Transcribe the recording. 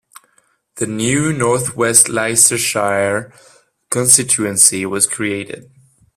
The new North West Leicestershire constituency was created.